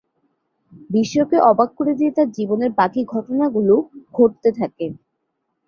বিশ্বকে অবাক করে দিয়ে তার জীবনের বাকি ঘটনাগুলো ঘটতে থাকে।